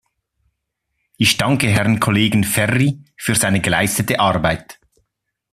Ich danke Herrn Kollegen Ferri für seine geleistete Arbeit.